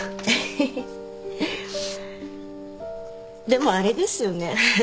でもあれですよね。